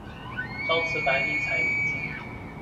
朝辞白帝彩云间